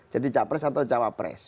jadi capres atau cawapres